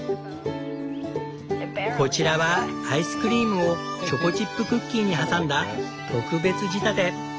こちらはアイスクリームをチョコチップクッキーに挟んだ特別仕立て。